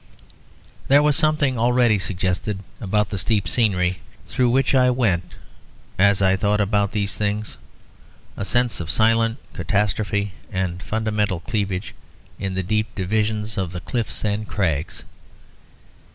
There was something already suggested about the steep scenery through which I went as I thought about these things; a sense of silent catastrophe and fundamental cleavage in the deep division of the cliffs and crags.